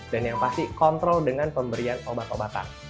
dan yang pasti kontrol dengan pemberian obat obatan